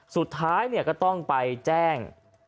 สุดท้ายเนี่ยก็ต้องไปแจ้ง